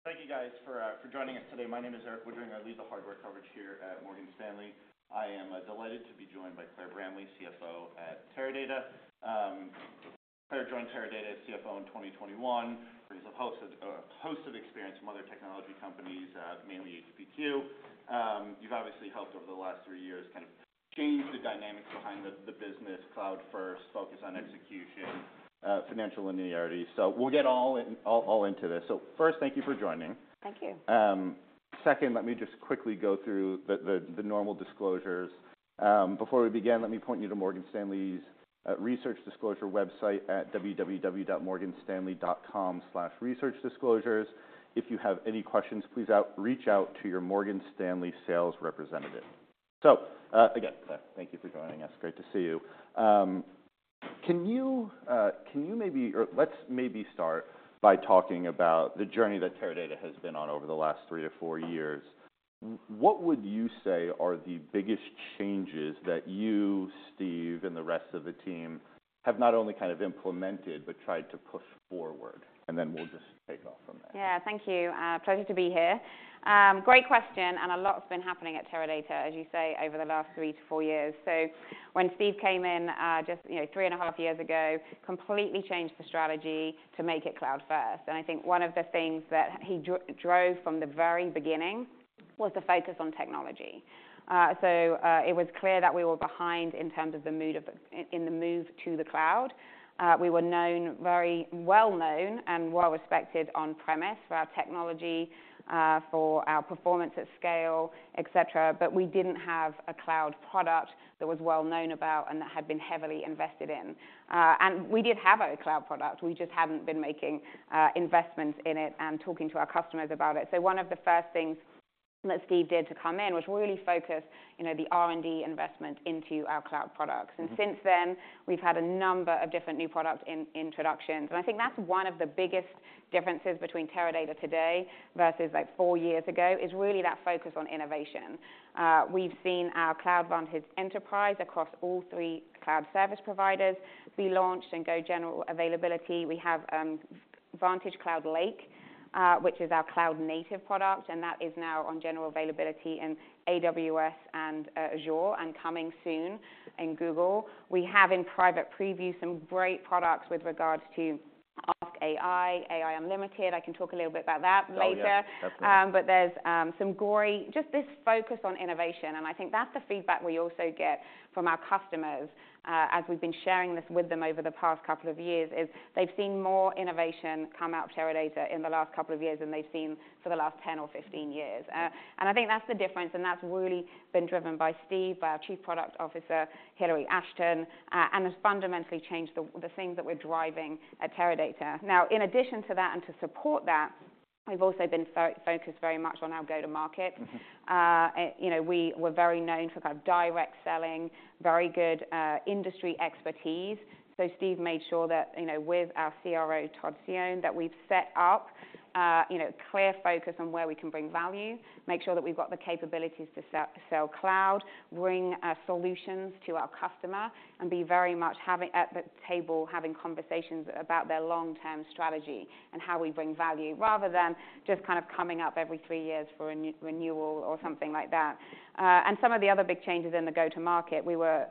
Thank you, guys, for joining us today. My name is Erik Woodring. I lead the hardware coverage here at Morgan Stanley. I am delighted to be joined by Claire Bramley, CFO at Teradata. Claire joined Teradata as CFO in 2021, brings a host of experience from other technology companies, mainly HPQ. You've obviously helped over the last three years, kind of change the dynamics behind the business, cloud-first, focus on execution, financial linearity. So we'll get all into this. So first, thank you for joining. Thank you. Second, let me just quickly go through the normal disclosures. Before we begin, let me point you to Morgan Stanley's research disclosure website at www.morganstanley.com/researchdisclosures. If you have any questions, please reach out to your Morgan Stanley sales representative. So, again, Claire, thank you for joining us. Great to see you. Or let's maybe start by talking about the journey that Teradata has been on over the last 3-4 years. What would you say are the biggest changes that you, Steve, and the rest of the team have not only kind of implemented but tried to push forward? And then we'll just take it from there. Yeah. Thank you. Pleasure to be here. Great question, and a lot's been happening at Teradata, as you say, over the last 3-4 years. So when Steve came in, just, you know, 3.5 years ago, completely changed the strategy to make it cloud-first. And I think one of the things that he drove from the very beginning was the focus on technology. So, it was clear that we were behind in terms of the move to the cloud. We were known, very well known and well-respected on-premise for our technology, for our performance at scale, et cetera, but we didn't have a cloud product that was well known about and that had been heavily invested in. And we did have a cloud product, we just hadn't been making investments in it and talking to our customers about it. So one of the first things that Steve did to come in was really focus, you know, the R&D investment into our cloud products. Mm-hmm. And since then, we've had a number of different new product introductions. I think that's one of the biggest differences between Teradata today versus, like, four years ago, is really that focus on innovation. We've seen our VantageCloud Enterprise across all three cloud service providers be launched and go general availability. We have VantageCloud Lake, which is our cloud-native product, and that is now on general availability in AWS and Azure, and coming soon in Google. We have in private preview some great products with regards to ask.ai, AI Unlimited. I can talk a little bit about that later. Oh, yeah. Okay. But there's some [gowrie]. Just this focus on innovation, and I think that's the feedback we also get from our customers, as we've been sharing this with them over the past couple of years, is they've seen more innovation come out of Teradata in the last couple of years than they've seen for the last 10 or 15 years. And I think that's the difference, and that's really been driven by Steve, by our Chief Product Officer, Hillary Ashton, and has fundamentally changed the things that we're driving at Teradata. Now, in addition to that and to support that, we've also been focused very much on our go-to-market. Mm-hmm. and you know, we were very known for kind of direct selling, very good, industry expertise. So Steve made sure that, you know, with our CRO, Todd Cione, that we've set up, you know, clear focus on where we can bring value, make sure that we've got the capabilities to sell cloud, bring, solutions to our customer, and be very much having at the table, having conversations about their long-term strategy and how we bring value, rather than just kind of coming up every three years for a new renewal or something like that. And some of the other big changes in the go-to-market, we were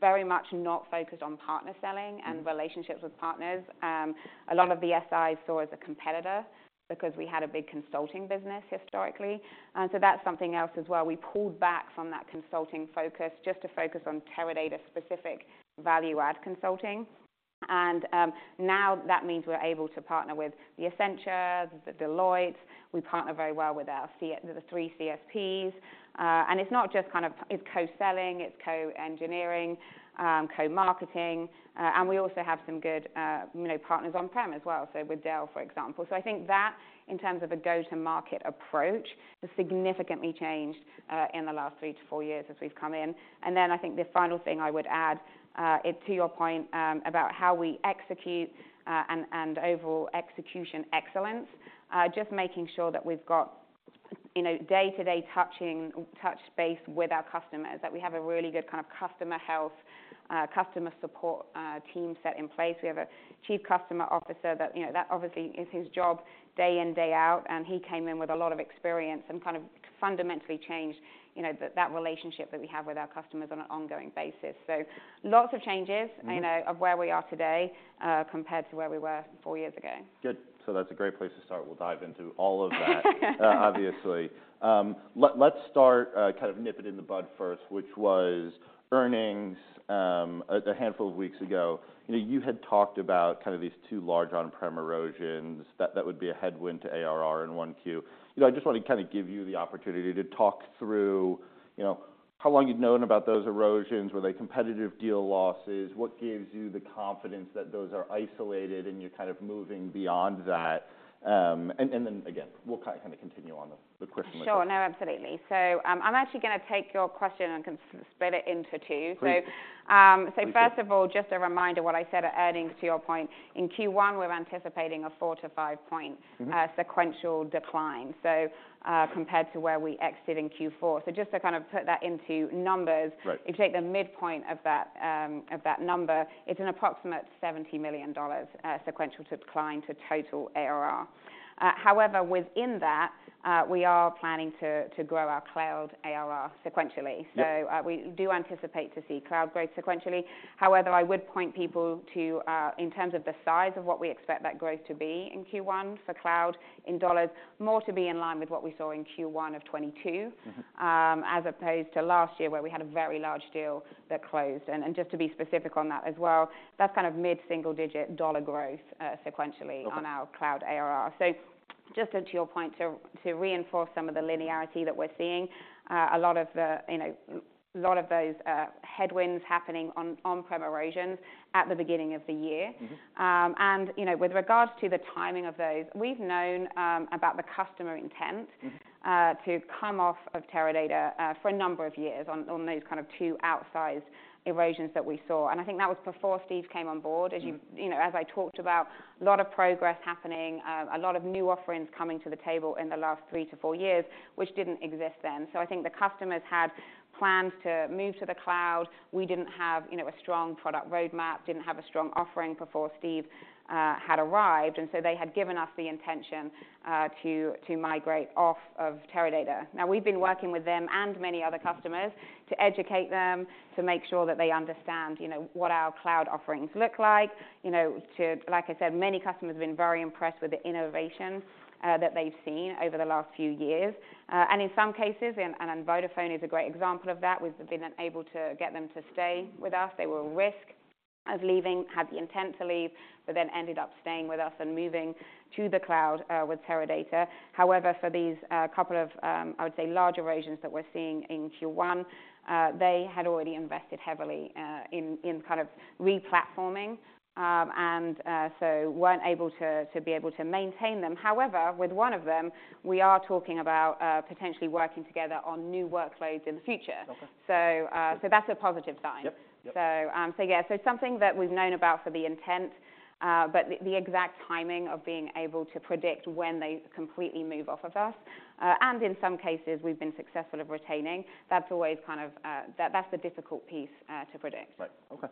very much not focused on partner selling- Mm-hmm... and relationships with partners. A lot of the SIs saw as a competitor because we had a big consulting business historically, and so that's something else as well. We pulled back from that consulting focus just to focus on Teradata-specific value-add consulting. And now that means we're able to partner with the Accentures, the Deloittes. We partner very well with the three CSPs. And it's not just, it's co-selling, it's co-engineering, co-marketing, and we also have some good, you know, partners on-prem as well, so with Dell, for example. So I think that, in terms of a go-to-market approach, has significantly changed in the last 3-4 years as we've come in. And then I think the final thing I would add, to your point, about how we execute, and overall execution excellence, just making sure that we've got, you know, day-to-day touch base with our customers, that we have a really good kind of customer health, customer support, team set in place. We have a Chief Customer Officer that, you know, that obviously is his job day in, day out, and he came in with a lot of experience and kind of fundamentally changed, you know, that relationship that we have with our customers on an ongoing basis. So lots of changes. Mm-hmm... you know, of where we are today, compared to where we were four years ago. Good. So that's a great place to start. We'll dive into all of that, obviously. Let's start kind of nip it in the bud first, which was earnings a handful of weeks ago. You know, you had talked about kind of these two large on-prem erosions that would be a headwind to ARR in 1Q. You know, I just want to kind of give you the opportunity to talk through how long you'd known about those erosions. Were they competitive deal losses? What gives you the confidence that those are isolated, and you're kind of moving beyond that? And then again, we'll kind of continue on the question. Sure. No, absolutely. So, I'm actually gonna take your question and split it into two. Great. So, first of all, just a reminder what I said at earnings, to your point, in Q1, we're anticipating a 4-5 point- Mm-hmm sequential decline, so, compared to where we exited in Q4. So just to kind of put that into numbers- Right... if you take the midpoint of that, of that number, it's an approximate $70 million sequential decline to total ARR. However, within that, we are planning to grow our cloud ARR sequentially. Yep. So, we do anticipate to see cloud growth sequentially. However, I would point people to, in terms of the size of what we expect that growth to be in Q1 for cloud in dollars, more to be in line with what we saw in Q1 of 2022. Mm-hmm. As opposed to last year, where we had a very large deal that closed. And just to be specific on that as well, that's kind of mid-single-digit dollar growth, sequentially- Okay... on our cloud ARR. So just to your point, to reinforce some of the linearity that we're seeing, a lot of the, you know, a lot of those headwinds happening on on-prem erosions at the beginning of the year. Mm-hmm. You know, with regards to the timing of those, we've known about the customer intent- Mm-hmm... to come off of Teradata for a number of years on those kind of two outsized erosions that we saw. I think that was before Steve came on board. Mm-hmm. As you—you know, as I talked about, a lot of progress happening, a lot of new offerings coming to the table in the last three to four years, which didn't exist then. So I think the customers had plans to move to the cloud. We didn't have, you know, a strong product roadmap, didn't have a strong offering before Steve had arrived, and so they had given us the intention to migrate off of Teradata. Now, we've been working with them and many other customers to educate them, to make sure that they understand, you know, what our cloud offerings look like. You know, to—like I said, many customers have been very impressed with the innovation that they've seen over the last few years. And in some cases, Vodafone is a great example of that. We've been unable to get them to stay with us. They were at risk of leaving, had the intent to leave, but then ended up staying with us and moving to the cloud with Teradata. However, for these couple of, I would say, large erosions that we're seeing in Q1, they had already invested heavily in kind of replatforming. And so weren't able to maintain them. However, with one of them, we are talking about potentially working together on new workloads in the future. Okay. So that's a positive sign. Yep. Yep. So, yeah, so it's something that we've known about for the intent, but the exact timing of being able to predict when they completely move off of us, and in some cases we've been successful at retaining, that's always kind of... That, that's the difficult piece to predict. Right. Okay.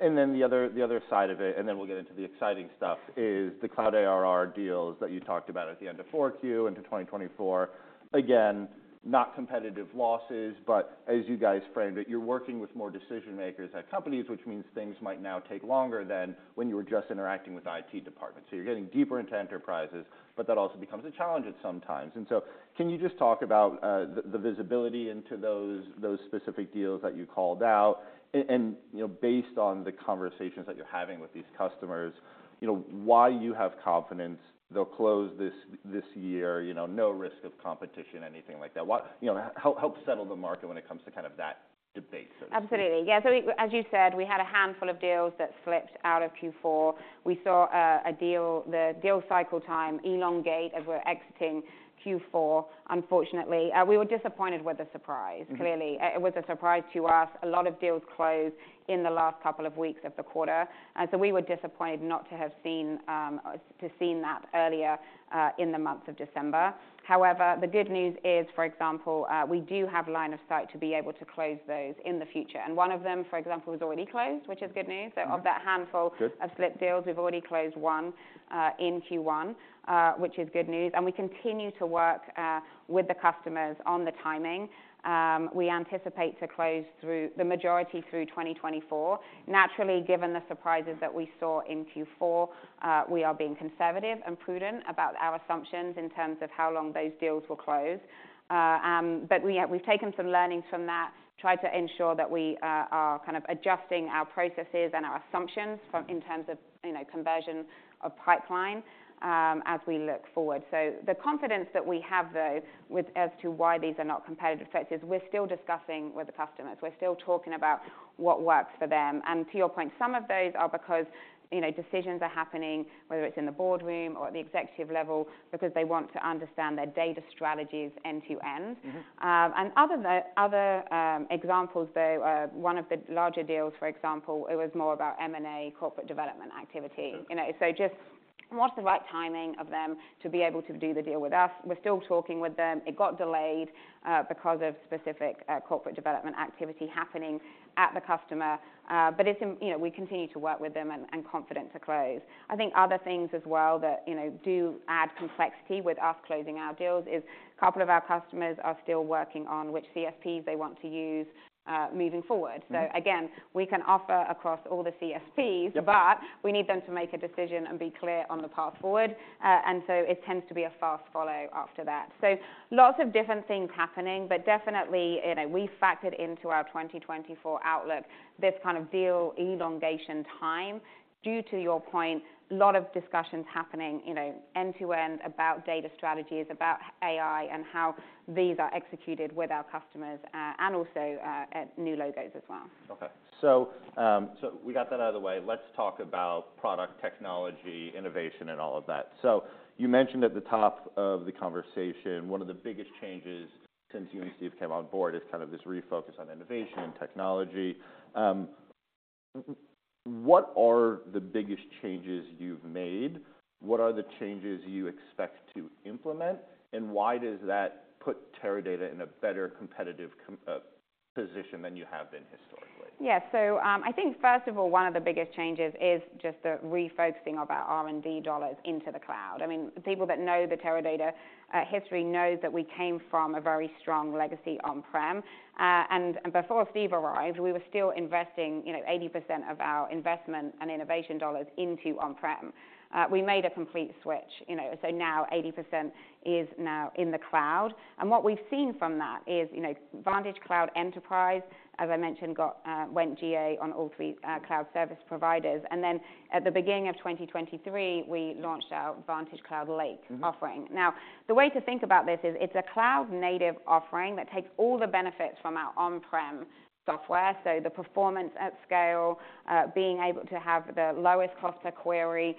And then the other side of it, and then we'll get into the exciting stuff, is the cloud ARR deals that you talked about at the end of 4Q into 2024. Again, not competitive losses, but as you guys framed it, you're working with more decision makers at companies, which means things might now take longer than when you were just interacting with IT departments. So you're getting deeper into enterprises, but that also becomes a challenge at some times. And so can you just talk about the visibility into those specific deals that you called out? And you know, based on the conversations that you're having with these customers, you know, why you have confidence they'll close this year, you know, no risk of competition, anything like that? You know, help settle the market when it comes to kind of that debate, so to speak. Absolutely. Yeah, so as you said, we had a handful of deals that slipped out of Q4. We saw the deal cycle time elongate as we're exiting Q4, unfortunately. We were disappointed with the surprise. Mm-hmm. Clearly. It was a surprise to us. A lot of deals closed in the last couple of weeks of the quarter, so we were disappointed not to have seen that earlier in the month of December. However, the good news is, for example, we do have line of sight to be able to close those in the future, and one of them, for example, was already closed, which is good news. Mm-hmm. So of that handful- Good... of slipped deals, we've already closed one, in Q1, which is good news. And we continue to work, with the customers on the timing. We anticipate to close through the majority through 2024. Naturally, given the surprises that we saw in Q4, we are being conservative and prudent about our assumptions in terms of how long those deals will close. But we, we've taken some learnings from that, tried to ensure that we, are kind of adjusting our processes and our assumptions in terms of, you know, conversion of pipeline, as we look forward. So the confidence that we have, though, as to why these are not competitive effects, is we're still discussing with the customers. We're still talking about what works for them. To your point, some of those are because, you know, decisions are happening, whether it's in the boardroom or at the executive level, because they want to understand their data strategies end to end. Mm-hmm. Other examples, though, one of the larger deals, for example, it was more about M&A corporate development activity. Okay. You know, so just what's the right timing of them to be able to do the deal with us? We're still talking with them. It got delayed because of specific corporate development activity happening at the customer. But it's you know, we continue to work with them and, and confident to close. I think other things as well that, you know, do add complexity with us closing our deals is a couple of our customers are still working on which CSPs they want to use moving forward. Mm-hmm. So again, we can offer across all the CSPs- Yep... but we need them to make a decision and be clear on the path forward. And so it tends to be a fast follow after that. So lots of different things happening, but definitely, you know, we've factored into our 2024 outlook this kind of deal elongation time, due to your point, a lot of discussions happening, you know, end to end, about data strategies, about AI and how these are executed with our customers, and also at new logos as well. Okay. So, we got that out of the way. Let's talk about product technology, innovation, and all of that. So you mentioned at the top of the conversation, one of the biggest changes since you and Steve came on board is kind of this refocus on innovation and technology. What are the biggest changes you've made? What are the changes you expect to implement, and why does that put Teradata in a better competitive position than you have been historically? Yes. So, I think first of all, one of the biggest changes is just the refocusing of our R&D dollars into the cloud. I mean, the people that know the Teradata history know that we came from a very strong legacy on-prem. And before Steve arrived, we were still investing, you know, 80% of our investment and innovation dollars into on-prem. We made a complete switch, you know, so now 80% is now in the cloud. And what we've seen from that is, you know, VantageCloud Enterprise, as I mentioned, went GA on all three cloud service providers. And then at the beginning of 2023, we launched our VantageCloud Lake offering. Mm-hmm. Now, the way to think about this is, it's a cloud-native offering that takes all the benefits from our on-prem software, so the performance at scale, being able to have the lowest cost per query,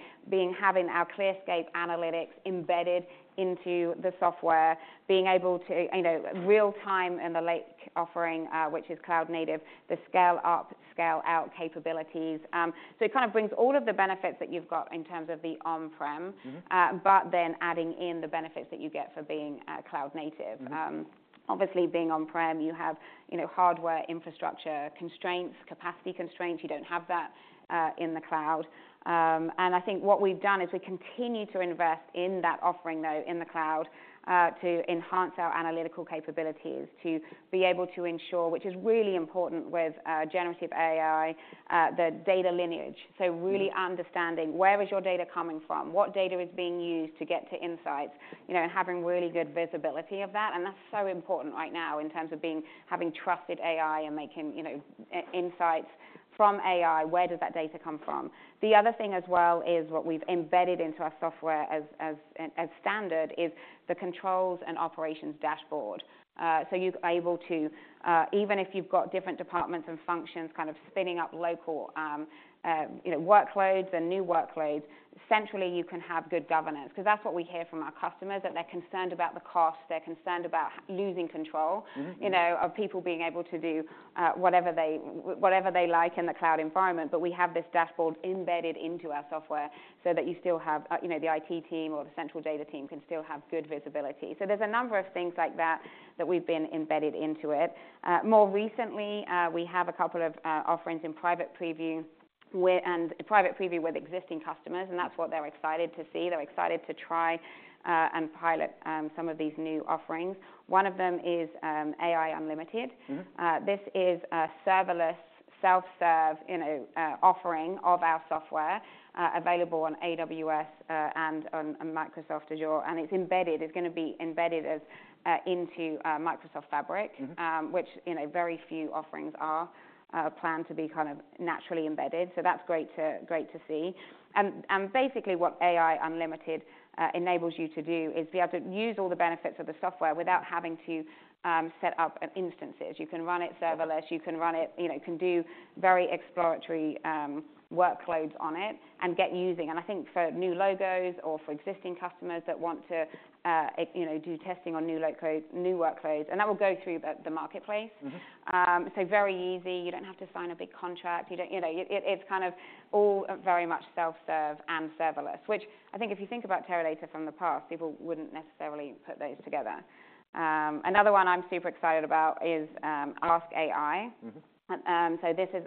having our ClearScape Analytics embedded into the software, being able to, you know, real time in the Lake offering, which is cloud native, the scale up, scale out capabilities. So it kind of brings all of the benefits that you've got in terms of the on-prem. Mm-hmm. But then adding in the benefits that you get for being a cloud-native. Mm-hmm. Obviously, being on-prem, you have, you know, hardware, infrastructure, constraints, capacity constraints. You don't have that in the cloud. I think what we've done is we continue to invest in that offering, though, in the cloud, to enhance our analytical capabilities, to be able to ensure, which is really important with generative AI, the data lineage. Mm-hmm. So really understanding where is your data coming from, what data is being used to get to insights, you know, and having really good visibility of that. That's so important right now in terms of being, having trusted AI and making, you know, insights from AI. Where does that data come from? The other thing as well is what we've embedded into our software as standard is the controls and operations dashboard. So you're able to, even if you've got different departments and functions kind of spinning up local, you know, workloads and new workloads, centrally, you can have good governance. Because that's what we hear from our customers, that they're concerned about the cost, they're concerned about losing control- Mm-hmm... you know, of people being able to do whatever they, whatever they like in the cloud environment. But we have this dashboard embedded into our software so that you still have, you know, the IT team or the central data team can still have good visibility. So there's a number of things like that that we've been embedded into it. More recently, we have a couple of offerings in private preview with existing customers, and that's what they're excited to see. They're excited to try and pilot some of these new offerings. One of them is AI Unlimited. Mm-hmm. This is a serverless, self-serve, you know, offering of our software, available on AWS, and on Microsoft Azure, and it's embedded. It's gonna be embedded as into Microsoft Fabric- Mm-hmm... which, you know, very few offerings are planned to be kind of naturally embedded. So that's great to, great to see. And basically, what AI Unlimited enables you to do is be able to use all the benefits of the software without having to set up instances. You can run it serverless, you can run it- you know, you can do very exploratory workloads on it and get using. And I think for new logos or for existing customers that want to, you know, do testing on new workloads, new workloads, and that will go through the marketplace. Mm-hmm. So very easy. You don't have to sign a big contract. You know, it, it's kind of all very much self-serve and serverless, which I think if you think about Teradata from the past, people wouldn't necessarily put those together. Another one I'm super excited about is, ask.ai. Mm-hmm. So this is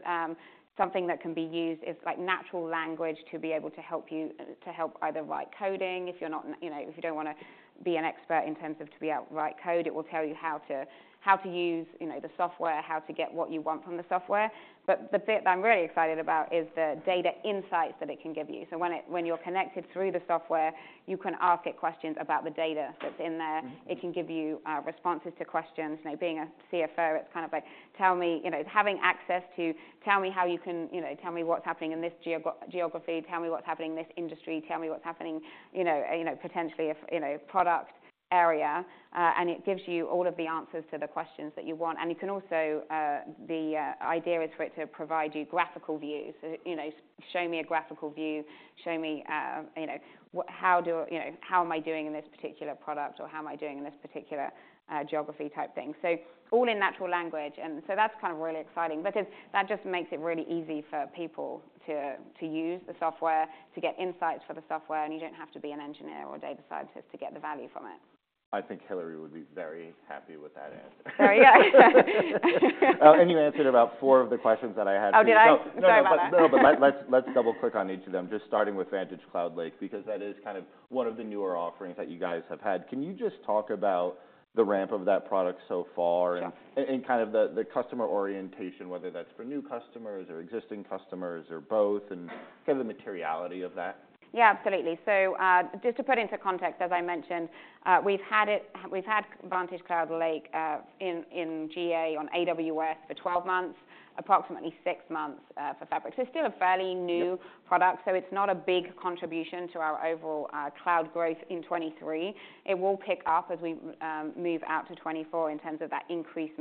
something that can be used. It's like natural language to be able to help you, to help either write coding, if you're not, you know, if you don't wanna be an expert in terms of to be able to write code, it will tell you how to, how to use, you know, the software, how to get what you want from the software. But the bit that I'm really excited about is the data insights that it can give you. So when you're connected through the software, you can ask it questions about the data that's in there. Mm-hmm. It can give you responses to questions. You know, being a CFO, it's kind of like, tell me. You know, having access to tell me you know, tell me what's happening in this geography. Tell me what's happening in this industry. Tell me what's happening, you know, you know, potentially a, you know, product area. And it gives you all of the answers to the questions that you want. And you can also, the idea is for it to provide you graphical views. You know, show me a graphical view, show me, you know, you know, how am I doing in this particular product, or how am I doing in this particular geography type thing? All in natural language, and so that's kind of really exciting because that just makes it really easy for people to, to use the software, to get insights for the software, and you don't have to be an engineer or a data scientist to get the value from it. I think Hillary would be very happy with that answer. Oh, yeah. You answered about four of the questions that I had for you. Oh, did I? Sorry about that. No, but let's double-click on each of them. Just starting with VantageCloud Lake, because that is kind of one of the newer offerings that you guys have had. Can you just talk about the ramp of that product so far? Sure... and kind of the customer orientation, whether that's for new customers or existing customers or both, and kind of the materiality of that? Yeah, absolutely. So, just to put into context, as I mentioned, we've had VantageCloud Lake in GA on AWS for 12 months, approximately 6 months for Fabric. So it's still a fairly new- Yep... product, so it's not a big contribution to our overall cloud growth in 2023. It will pick up as we move out to 2024 in terms of that increased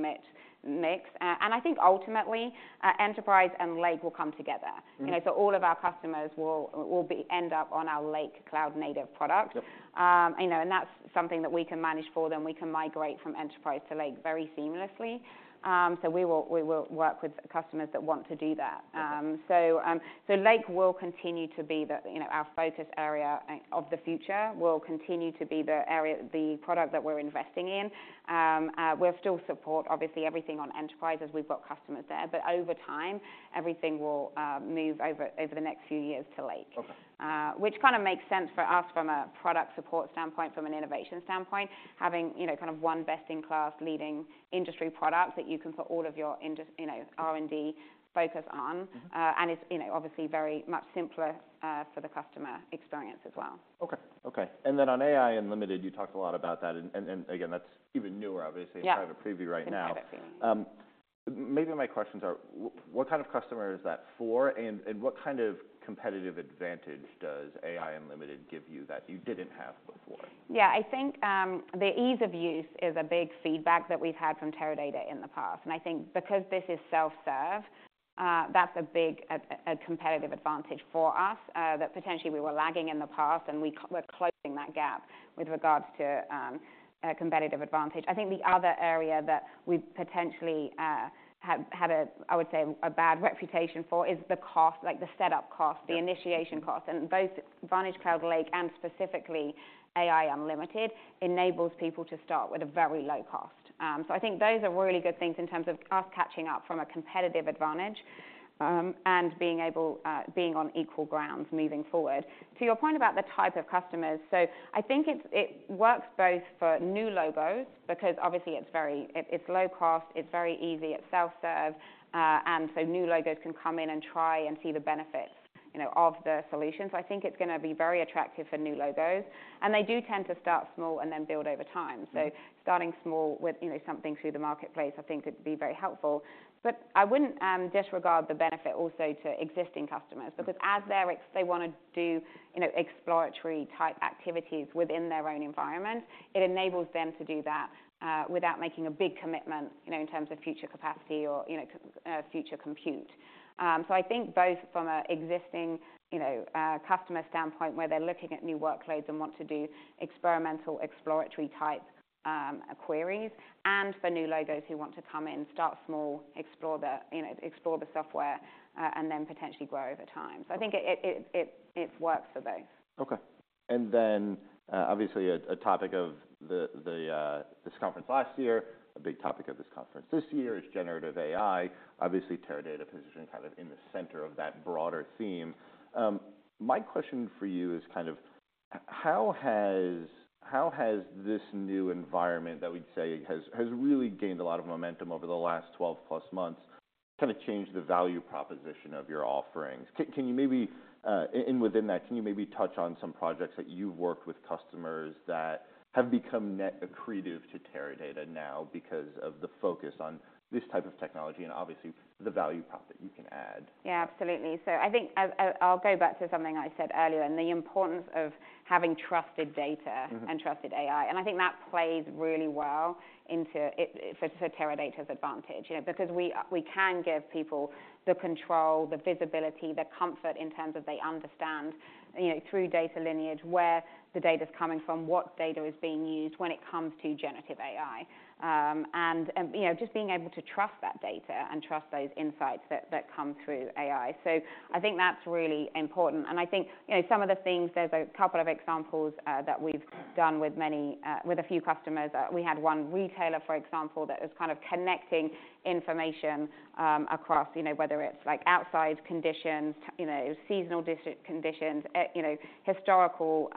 mix. And I think ultimately, Enterprise and Lake will come together—you know, so all of our customers will end up on our Lake cloud native product. Yep. You know, that's something that we can manage for them. We can migrate from Enterprise to Lake very seamlessly. We will, we will work with customers that want to do that. Okay. So, Lake will continue to be the, you know, our focus area of the future, will continue to be the area, the product that we're investing in. We'll still support, obviously, everything on Enterprise, as we've got customers there, but over time, everything will move over, over the next few years to Lake. Okay. Which kind of makes sense for us from a product support standpoint, from an innovation standpoint, having, you know, kind of one best-in-class, leading industry product that you can put all of your industry—you know, R&D focus on. Mm-hmm. And it's, you know, obviously very much simpler for the customer experience as well. Okay. Okay, and then on AI Unlimited, you talked a lot about that, and again, that's even newer, obviously— Yeah than kind of a preview right now. Then kind of preview. Maybe my questions are: what kind of customer is that for? And what kind of competitive advantage does AI Unlimited give you that you didn't have before? Yeah, I think, the ease of use is a big feedback that we've had from Teradata in the past, and I think because this is self-serve, that's a big, a competitive advantage for us, that potentially we were lagging in the past, and we're closing that gap with regards to, competitive advantage. I think the other area that we potentially, have had a, I would say, a bad reputation for is the cost, like the setup cost- Yeah. the initiation cost, and both VantageCloud Lake and specifically AI Unlimited enables people to start with a very low cost. So I think those are really good things in terms of us catching up from a competitive advantage, and being able, being on equal grounds moving forward. To your point about the type of customers, so I think it's, it works both for new logos, because obviously, it's very... It's low cost, it's very easy, it's self-serve, and so new logos can come in and try and see the benefits, you know, of the solution. So I think it's gonna be very attractive for new logos, and they do tend to start small and then build over time. Mm-hmm. Starting small with, you know, something through the marketplace, I think could be very helpful. But I wouldn't disregard the benefit also to existing customers- Mm-hmm because as they're, they wanna do, you know, exploratory type activities within their own environment, it enables them to do that without making a big commitment, you know, in terms of future capacity or, you know, future compute. So I think both from an existing, you know, customer standpoint, where they're looking at new workloads and want to do experimental, exploratory type queries, and for new logos who want to come in, start small, explore the, you know, explore the software, and then potentially grow over time. Okay. So I think it works for both. Okay. And then, obviously, a topic of this conference last year, a big topic of this conference this year is generative AI. Obviously, Teradata positioning kind of in the center of that broader theme. My question for you is kind of, how has this new environment, that we'd say has really gained a lot of momentum over the last 12+ months, kind of changed the value proposition of your offerings? Can you maybe—and within that, can you maybe touch on some projects that you've worked with customers that have become net accretive to Teradata now because of the focus on this type of technology, and obviously, the value prop that you can add? Yeah, absolutely. So I think, I'll go back to something I said earlier, and the importance of having trusted data- Mm-hmm and trusted AI, and I think that plays really well into it, for Teradata's advantage. You know, because we can give people the control, the visibility, the comfort in terms of they understand, you know, through data lineage, where the data's coming from, what data is being used when it comes to generative AI. And, you know, just being able to trust that data and trust those insights that come through AI. So I think that's really important. And I think, you know, some of the things, there's a couple of examples that we've done with a few customers. We had one retailer, for example, that was kind of connecting information across, you know, whether it's like outside conditions, you know, seasonal district conditions, you know, historical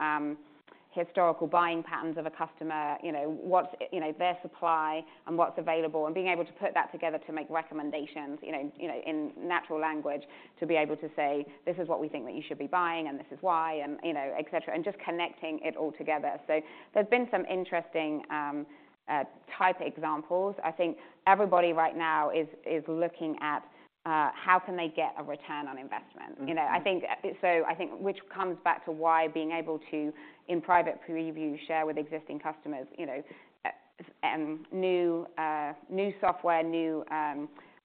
buying patterns of a customer, you know, what's, you know, their supply and what's available, and being able to put that together to make recommendations, you know, you know, in natural language, to be able to say: "This is what we think that you should be buying, and this is why," and, you know, et cetera, and just connecting it all together. So there's been some interesting type examples. I think everybody right now is looking at how can they get a return on investment. Mm-hmm. You know, I think, so I think which comes back to why being able to, in private preview, share with existing customers, you know, new software, new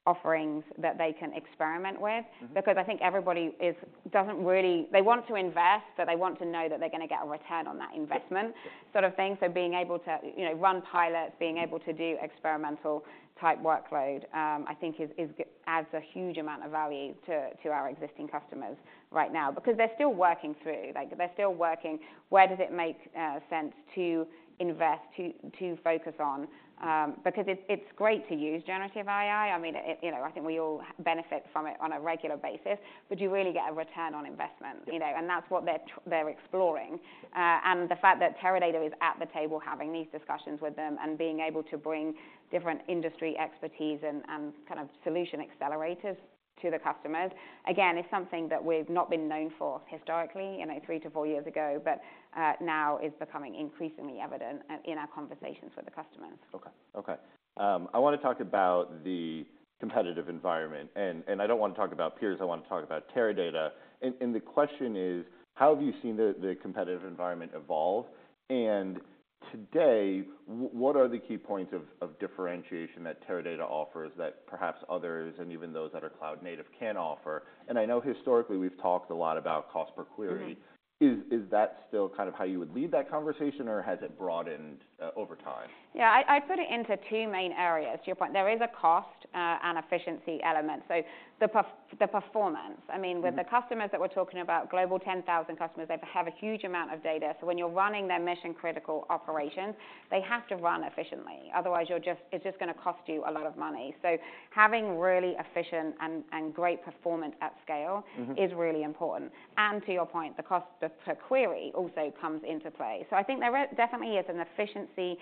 offerings that they can experiment with. Mm-hmm. Because I think everybody is... They want to invest, but they want to know that they're gonna get a return on that investment- Yep sort of thing. So being able to, you know, run pilots, being able to do experimental type workload, I think adds a huge amount of value to our existing customers right now. Because they're still working through, like, they're still working, where does it make sense to invest, to focus on? Because it's great to use generative AI. I mean, it, you know, I think we all benefit from it on a regular basis, but do you really get a return on investment? Yep. You know, and that's what they're, they're exploring. And the fact that Teradata is at the table having these discussions with them and being able to bring different industry expertise and, and kind of solution accelerators to the customers, again, is something that we've not been known for historically, you know, three to four years ago, but now is becoming increasingly evident in our conversations with the customers. Okay. Okay, I want to talk about the competitive environment, and, and I don't want to talk about peers, I want to talk about Teradata. And, and the question is: How have you seen the, the competitive environment evolve? And today, what are the key points of, of differentiation that Teradata offers that perhaps others, and even those that are cloud native, can offer? And I know historically we've talked a lot about cost per query. Mm-hmm. Is that still kind of how you would lead that conversation, or has it broadened over time? Yeah, I put it into two main areas. To your point, there is a cost and efficiency element, so the performance. Mm-hmm. I mean, with the customers that we're talking about, global 10,000 customers, they have a huge amount of data. So when you're running their mission-critical operations, they have to run efficiently. Otherwise, you're just, it's just gonna cost you a lot of money. So having really efficient and, and great performance at scale- Mm-hmm... is really important. And to your point, the cost per query also comes into play. So I think there definitely is an efficiency,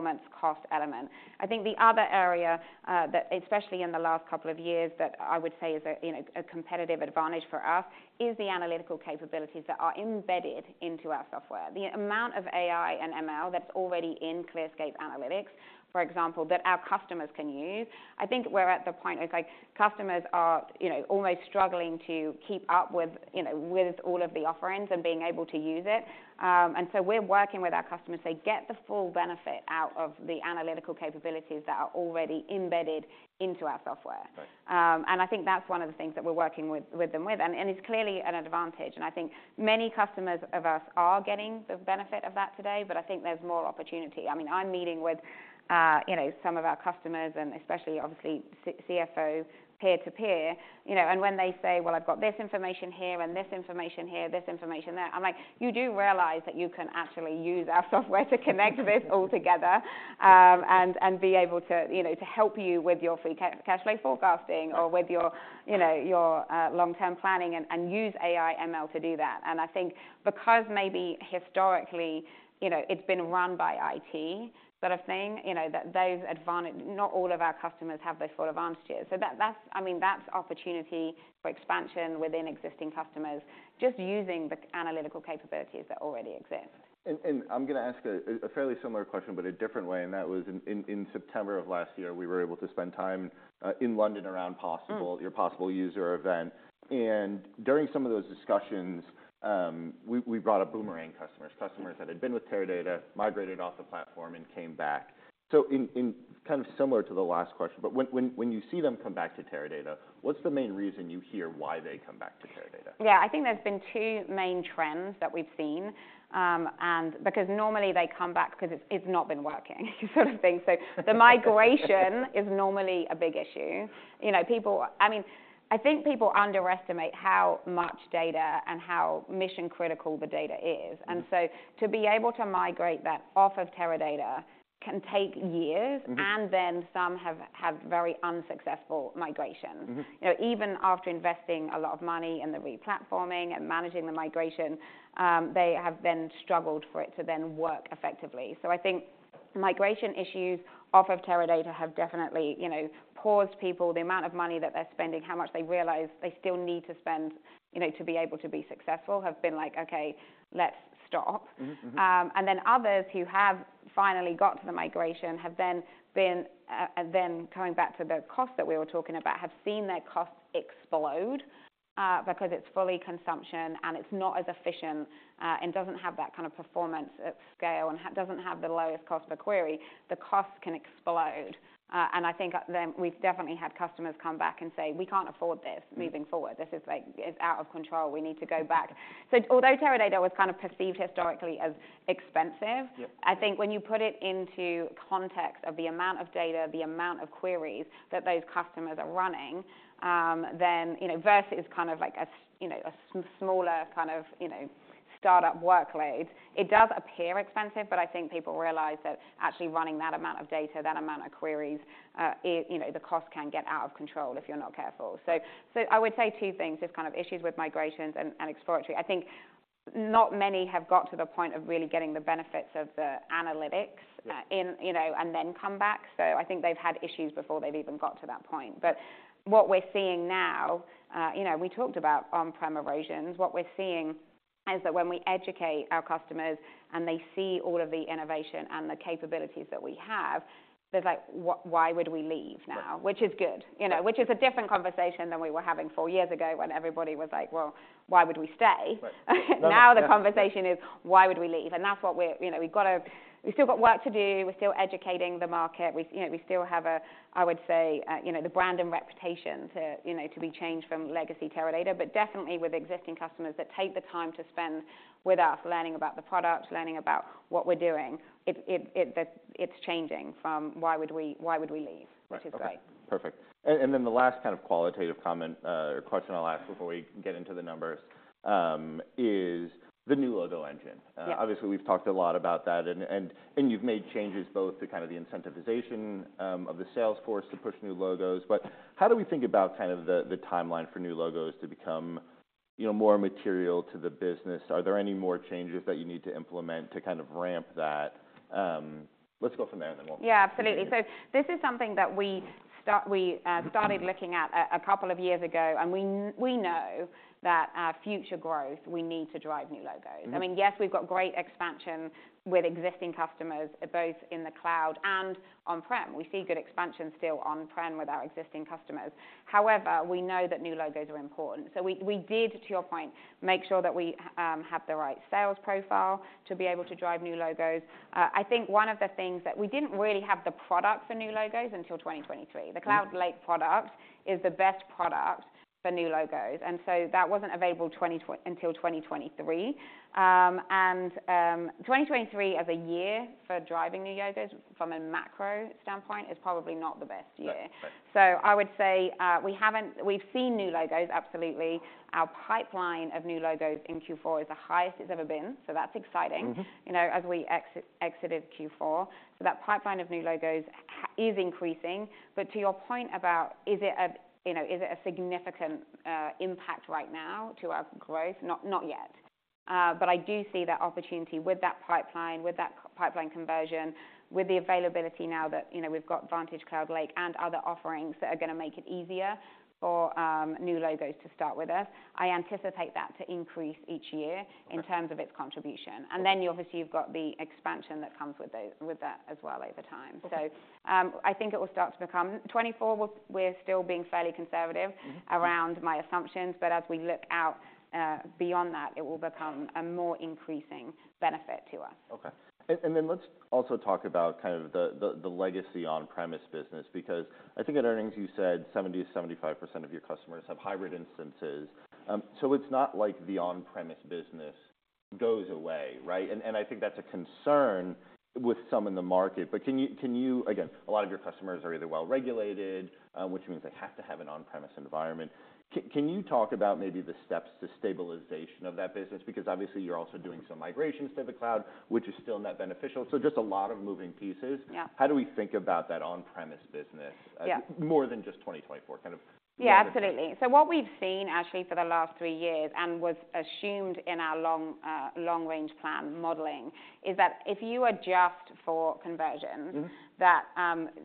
performance, cost element. I think the other area that, especially in the last couple of years, that I would say is a, you know, a competitive advantage for us, is the analytical capabilities that are embedded into our software. The amount of AI and ML that's already in ClearScape Analytics, for example, that our customers can use, I think we're at the point it's like customers are, you know, almost struggling to keep up with, you know, with all of the offerings and being able to use it. And so we're working with our customers to get the full benefit out of the analytical capabilities that are already embedded into our software. Right. And I think that's one of the things that we're working with them, and it's clearly an advantage. And I think many customers of us are getting the benefit of that today, but I think there's more opportunity. I mean, I'm meeting with, you know, some of our customers, and especially obviously CFOs peer to peer, you know. And when they say, "Well, I've got this information here and this information here, this information there," I'm like: "You do realize that you can actually use our software to connect this all together, and be able to, you know, to help you with your cash flow forecasting or with your, you know, your long-term planning, and use AI and ML to do that. I think because maybe historically, you know, it's been run by IT, sort of thing, you know, that those advantages, not all of our customers have those full advantages. So that, that's, I mean, that's opportunity for expansion within existing customers, just using the analytical capabilities that already exist. And I'm gonna ask a fairly similar question, but a different way, and that was: In September of last year, we were able to spend time in London around Possible- Mm... your Possible user event. During some of those discussions, we brought up boomerang customers, customers that had been with Teradata, migrated off the platform, and came back. So in kind of similar to the last question, but when you see them come back to Teradata, what's the main reason you hear why they come back to Teradata? Yeah. I think there's been two main trends that we've seen. And because normally they come back because it's not been working sort of thing. So the migration is normally a big issue. You know, people, I mean, I think people underestimate how much data and how mission-critical the data is. Mm-hmm. And so to be able to migrate that off of Teradata can take years- Mm-hmm... and then some have had very unsuccessful migrations. Mm-hmm. You know, even after investing a lot of money in the replatforming and managing the migration, they have then struggled for it to then work effectively. So I think migration issues off of Teradata have definitely, you know, paused people. The amount of money that they're spending, how much they realize they still need to spend, you know, to be able to be successful, have been like, "Okay, let's stop. Mm, mm-hmm. And then others who have finally got to the migration have then been and then coming back to the cost that we were talking about, have seen their costs explode, because it's fully consumption and it's not as efficient, and doesn't have that kind of performance at scale, and doesn't have the lowest cost per query. The costs can explode. And I think then we've definitely had customers come back and say: We can't afford this- Mm... moving forward. This is, like, it's out of control. We need to go back. So although Teradata was kind of perceived historically as expensive- Yeah... I think when you put it into context of the amount of data, the amount of queries that those customers are running, then, you know, versus kind of like a smaller kind of, you know, startup workload, it does appear expensive. But I think people realize that actually running that amount of data, that amount of queries, it, you know, the cost can get out of control if you're not careful. So, so I would say two things, just kind of issues with migrations and exploratory. I think not many have got to the point of really getting the benefits of the analytics- Yeah... you know, and then come back. So I think they've had issues before they've even got to that point. But what we're seeing now, you know, we talked about on-prem erosions. What we're seeing is that when we educate our customers and they see all of the innovation and the capabilities that we have, they're like: Why would we leave now? Yeah. Which is good, you know. Mm-hmm. Which is a different conversation than we were having 4 years ago when everybody was like, "Well, why would we stay? Right. Now the conversation is, "Why would we leave?" And that's what we're... You know, we've got to—we've still got work to do. We're still educating the market. We, you know, we still have a, I would say, you know, the brand and reputation to, you know, to be changed from legacy Teradata. But definitely with existing customers that take the time to spend with us, learning about the product, learning about what we're doing, it's changing from "why would we leave? Right. Okay. Which is great. Perfect. And, and then the last kind of qualitative comment, or question I'll ask before we get into the numbers, is the new logo engine. Yeah. Obviously, we've talked a lot about that, and, and, and you've made changes both to kind of the incentivization of the sales force to push new logos. But how do we think about kind of the timeline for new logos to become, you know, more material to the business? Are there any more changes that you need to implement to kind of ramp that? Let's go from there, and then we'll- Yeah, absolutely. So this is something that we started looking at a couple of years ago, and we know that our future growth, we need to drive new logos. Mm-hmm. I mean, yes, we've got great expansion with existing customers, both in the cloud and on-prem. We see good expansion still on-prem with our existing customers. However, we know that new logos are important. So we did, to your point, make sure that we have the right sales profile to be able to drive new logos. I think one of the things that we didn't really have the product for new logos until 2023. The Cloud Lake product is the best product for new logos, and so that wasn't available until 2023. 2023 as a year for driving new logos from a macro standpoint is probably not the best year. Right. Right. So I would say, we've seen new logos, absolutely. Our pipeline of new logos in Q4 is the highest it's ever been, so that's exciting. Mm-hmm. You know, as we exited Q4. So that pipeline of new logos is increasing. But to your point about, is it a, you know, is it a significant impact right now to our growth? Not yet. But I do see that opportunity with that pipeline, with that pipeline conversion, with the availability now that, you know, we've got VantageCloud Lake and other offerings that are gonna make it easier for new logos to start with us. I anticipate that to increase each year- Okay. in terms of its contribution. Okay. And then, obviously, you've got the expansion that comes with that as well over time. Okay. So, I think it will start to become... "2024, we're still being fairly conservative- Mm-hmm around my assumptions, but as we look out, beyond that, it will become a more increasing benefit to us. Okay. Then let's also talk about kind of the legacy on-premise business, because I think at earnings, you said 70%-75% of your customers have hybrid instances. So it's not like the on-premise business goes away, right? And I think that's a concern with some in the market. But can you, again, a lot of your customers are either well-regulated, which means they have to have an on-premise environment. Can you talk about maybe the steps to stabilization of that business? Because obviously you're also doing some migrations to the cloud, which is still net beneficial, so just a lot of moving pieces. Yeah. How do we think about that on-premise business? Yeah... more than just 2024, kind of? Yeah, absolutely. So what we've seen, actually, for the last three years, and was assumed in our long, long-range plan modeling, is that if you adjust for conversion- Mm-hmm... that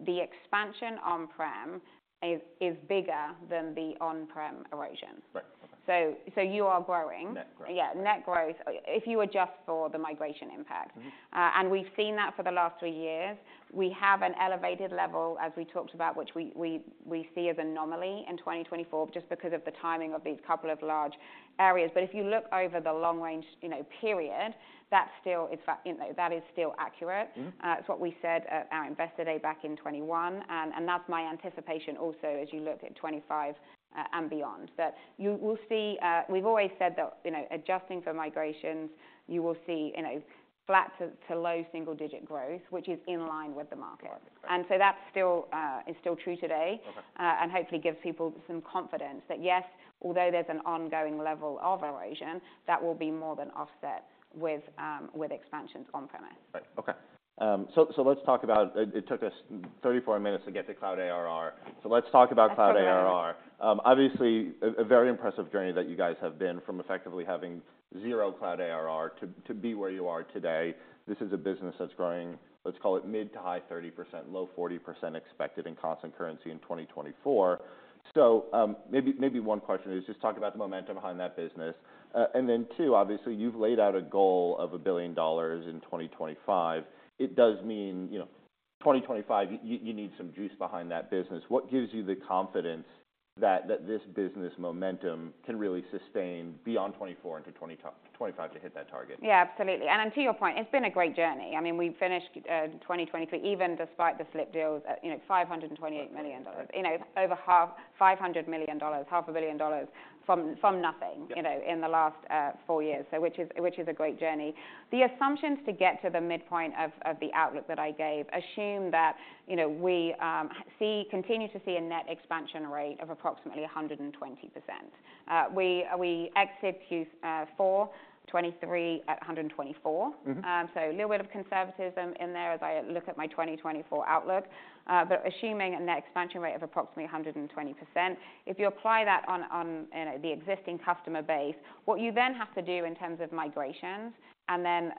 the expansion on-prem is bigger than the on-prem erosion. Right. Okay. So, you are growing. Net growth. Yeah, net growth, if you adjust for the migration impact. Mm-hmm. We've seen that for the last three years. We have an elevated level, as we talked about, which we see as an anomaly in 2024, just because of the timing of these couple of large areas. But if you look over the long range, you know, period, that still is—you know, that is still accurate. Mm-hmm. It's what we said at our Investor Day back in 2021, and, and that's my anticipation also, as you look at 2025, and beyond. But you- we'll see... We've always said that, you know, adjusting for migrations, you will see, you know, flat to, to low single digit growth, which is in line with the market. Right. That still is still true today. Okay. And hopefully gives people some confidence that, yes, although there's an ongoing level of erosion, that will be more than offset with expansions on-premise. Right. Okay. So, let's talk about... It took us 34 minutes to get to cloud ARR, so let's talk about cloud ARR. That's all right. Obviously, a very impressive journey that you guys have been from effectively having zero cloud ARR to be where you are today. This is a business that's growing, let's call it mid- to high-30%, low-40% expected in constant currency in 2024. So, maybe one question is, just talk about the momentum behind that business. And then two, obviously, you've laid out a goal of $1 billion in 2025. It does mean, you know, 2025, you need some juice behind that business. What gives you the confidence that this business momentum can really sustain beyond 2024 into 2025 to hit that target? Yeah, absolutely. To your point, it's been a great journey. I mean, we finished 2023, even despite the slip deals, you know, at $528 million. You know, over $500 million, half a billion dollars, from nothing- Yeah... you know, in the last four years, so which is a great journey. The assumptions to get to the midpoint of the outlook that I gave assume that, you know, we continue to see a net expansion rate of approximately 120%. We exit Q4 2023 at 124. Mm-hmm. So a little bit of conservatism in there as I look at my 2024 outlook, but assuming a net expansion rate of approximately 120%, if you apply that on, on, you know, the existing customer base, what you then have to do in terms of migrations and then,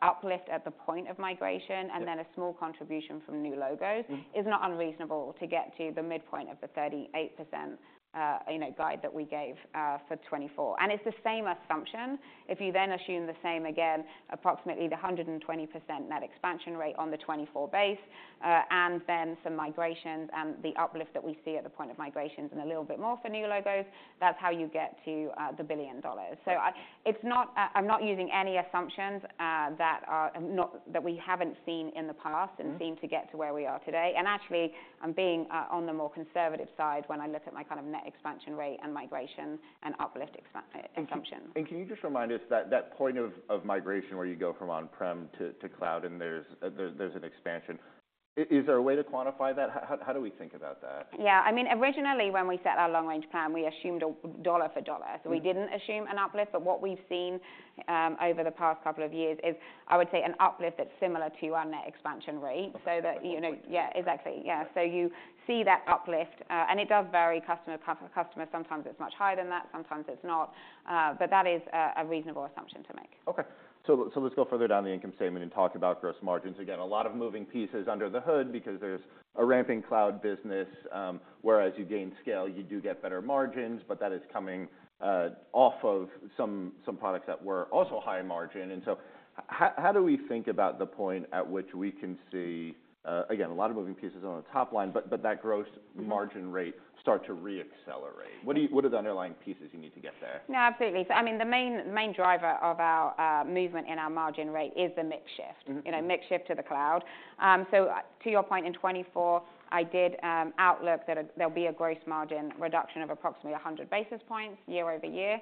uplift at the point of migration- Yeah and then a small contribution from new logos. Mm-hmm... is not unreasonable to get to the midpoint of the 38%, you know, guide that we gave for 2024. It's the same assumption. If you then assume the same again, approximately the 120% net expansion rate on the 2024 base, and then some migrations and the uplift that we see at the point of migrations and a little bit more for new logos, that's how you get to $1 billion. Right. So, I'm not using any assumptions that we haven't seen in the past. Mm-hmm -and seen to get to where we are today. And actually, I'm being on the more conservative side when I look at my kind of net expansion rate and migrations and uplift expansion. Can you just remind us that point of migration where you go from on-prem to cloud, and there's an expansion? Is there a way to quantify that? How do we think about that? Yeah. I mean, originally, when we set our long-range plan, we assumed a dollar for dollar. Mm-hmm. So we didn't assume an uplift, but what we've seen over the past couple of years is, I would say, an uplift that's similar to our net expansion rate. Okay. So that, you know. Yeah, exactly. Yeah. Yeah. So you see that uplift, and it does vary customer to customer. Sometimes it's much higher than that, sometimes it's not, but that is a reasonable assumption to make. Okay. So let's go further down the income statement and talk about gross margins. Again, a lot of moving pieces under the hood because there's a ramping cloud business, whereas you gain scale, you do get better margins, but that is coming off of some products that were also high margin. And so how do we think about the point at which we can see, again, a lot of moving pieces on the top line, but that gross- Mm Margin rate start to re-accelerate? What do you—what are the underlying pieces you need to get there? Yeah, absolutely. So I mean, the main, main driver of our movement in our margin rate is the mix shift. Mm-hmm. You know, mix shift to the cloud. To your point, in 2024, I did outlook that there'll be a gross margin reduction of approximately 100 basis points year-over-year.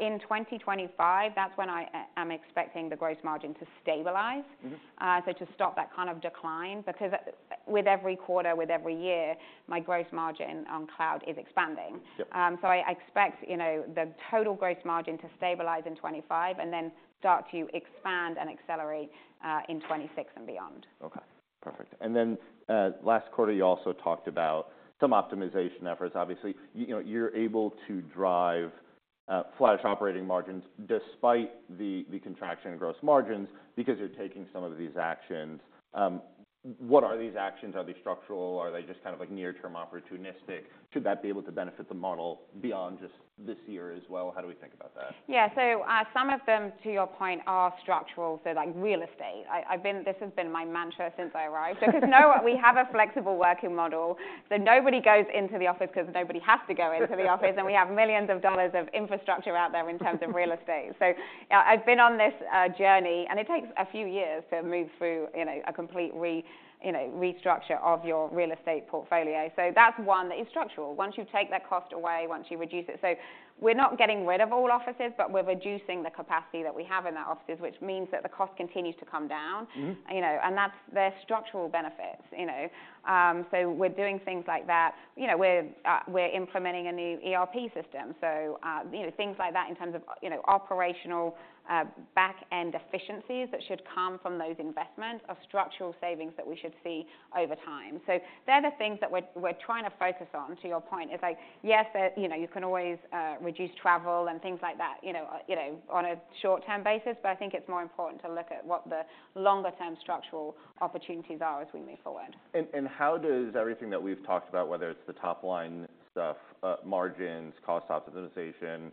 In 2025, that's when I am expecting the gross margin to stabilize- Mm-hmm So to stop that kind of decline, because with every quarter, with every year, my gross margin on cloud is expanding. Yep. So I expect, you know, the total gross margin to stabilize in 2025, and then start to expand and accelerate in 2026 and beyond. Okay, perfect. And then, last quarter, you also talked about some optimization efforts. Obviously, you know, you're able to drive flash operating margins despite the contraction in gross margins because you're taking some of these actions. What are these actions? Are they structural? Are they just kind of, like, near-term opportunistic? Should that be able to benefit the model beyond just this year as well? How do we think about that? Yeah. So, some of them, to your point, are structural. So like real estate, I've been, this has been my mantra since I arrived. Because now we have a flexible working model, so nobody goes into the office because nobody has to go into the office and we have millions of dollars of infrastructure out there in terms of real estate. So, I've been on this journey, and it takes a few years to move through, you know, a complete, you know, restructure of your real estate portfolio. So that's one that is structural. Once you take that cost away, once you reduce it... So we're not getting rid of all offices, but we're reducing the capacity that we have in our offices, which means that the cost continues to come down. Mm-hmm. You know, and that's the structural benefits, you know? So we're doing things like that. You know, we're implementing a new ERP system. So, you know, things like that in terms of, you know, operational, back-end efficiencies that should come from those investments are structural savings that we should see over time. So they're the things that we're trying to focus on, to your point. It's like, yes, you know, you can always, reduce travel and things like that, you know, you know, on a short-term basis, but I think it's more important to look at what the longer-term structural opportunities are as we move forward. How does everything that we've talked about, whether it's the top line stuff, margins, cost optimization,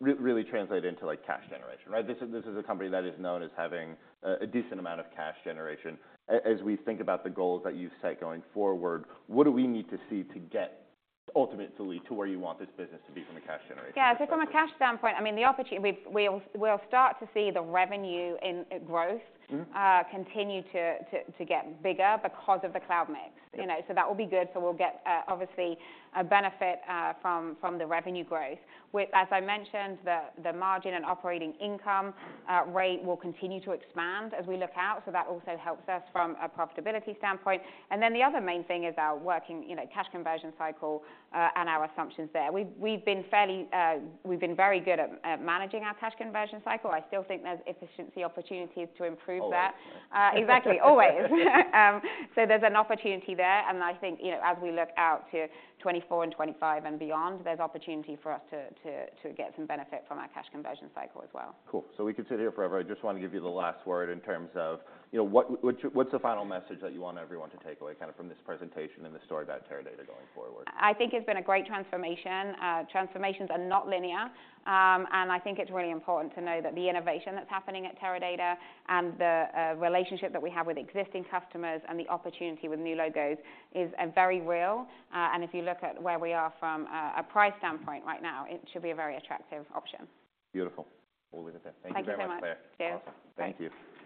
really translate into, like, cash generation, right? This is a company that is known as having a decent amount of cash generation. As we think about the goals that you set going forward, what do we need to see to get ultimately to where you want this business to be from a cash generation perspective? Yeah. So from a cash standpoint, I mean, the opportunity—we'll start to see the revenue in growth- Mm-hmm Continue to get bigger because of the cloud mix. Yeah. You know, so that will be good. So we'll get, obviously, a benefit from the revenue growth. As I mentioned, the margin and operating income rate will continue to expand as we look out, so that also helps us from a profitability standpoint. And then the other main thing is our working, you know, cash conversion cycle and our assumptions there. We've been fairly, we've been very good at managing our cash conversion cycle. I still think there's efficiency opportunities to improve that. Always. Exactly. Always. So there's an opportunity there, and I think, you know, as we look out to 2024 and 2025 and beyond, there's opportunity for us to get some benefit from our cash conversion cycle as well. Cool. So we could sit here forever. I just want to give you the last word in terms of, you know, what's the final message that you want everyone to take away, kind of, from this presentation and the story about Teradata going forward? I think it's been a great transformation. Transformations are not linear, and I think it's really important to know that the innovation that's happening at Teradata and the relationship that we have with existing customers and the opportunity with new logos is very real. If you look at where we are from a price standpoint right now, it should be a very attractive option. Beautiful. All the best. Thank you so much. Thank you very much, Claire. Cheers. Awesome. Thank you.